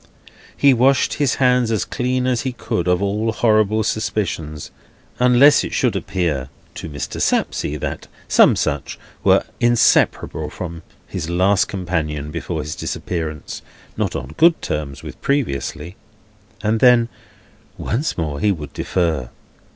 He washed his hands as clean as he could of all horrible suspicions, unless it should appear to Mr. Sapsea that some such were inseparable from his last companion before his disappearance (not on good terms with previously), and then, once more, he would defer.